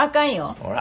ほら。